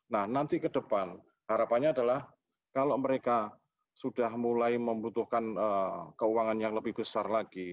nah nanti ke depan harapannya adalah kalau mereka sudah mulai membutuhkan keuangan yang lebih besar lagi